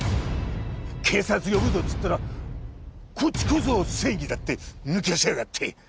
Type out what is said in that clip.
警察呼ぶぞっつったらこっちこそ正義だって抜かしやがって。